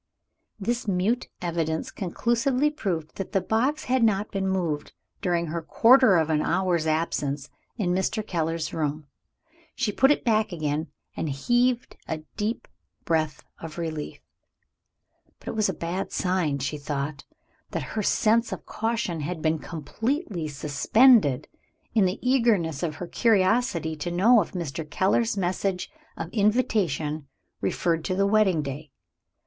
This mute evidence conclusively proved that the box had not been moved during her quarter of an hour's absence in Mr. Keller's room. She put it back again, and heaved a deep breath of relief. But it was a bad sign (she thought) that her sense of caution had been completely suspended, in the eagerness of her curiosity to know if Mr. Keller's message of invitation referred to the wedding day.